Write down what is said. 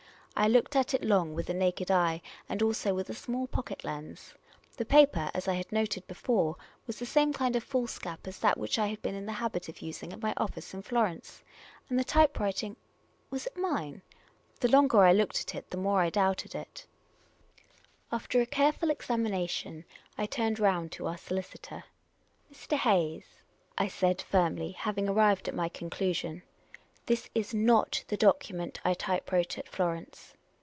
I looked at it long with the naked eye and also with a small pocket lens. The paper, as I had noted before, was the same kind of foolscap as that which I had been in the habit of using at my office in Florence ; and the typewriting — was it mine ? The longer I looked at it, the more I doubted it. 322 Miss Caylcy's Adventures After a careful examination I turned round to our solicitor. " Mr. Hayes," I said, firmly, having arrived at my conclu sion, this is not the document I typewrote at Florence."